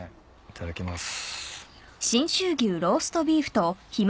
いただきます。